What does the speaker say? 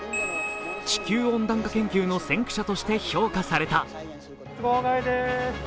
地球温暖化研究の先駆者として評価された。